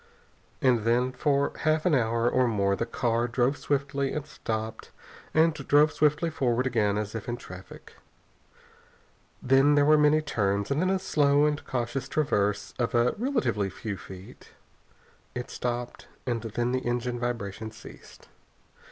And then for half an hour or more the car drove swiftly, and stopped, and drove swiftly forward again as if in traffic. Then there were many turns, and then a slow and cautious traverse of a relatively few feet. It stopped, and then the engine vibration ceased.